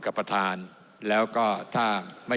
ท่านประธานก็เป็นสอสอมาหลายสมัย